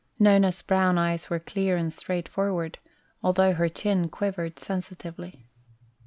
Nona's brown eyes were clear and straightforward, although her chin quivered sensitively.